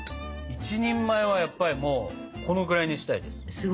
１人前はやっぱりもうこのくらいにしたいです。